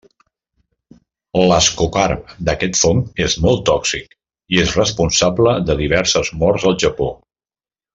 L'ascocarp d'aquest fong és molt tòxic, i és responsable de diverses morts al Japó.